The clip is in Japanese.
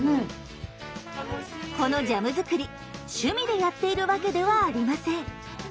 このジャムづくり趣味でやっているわけではありません。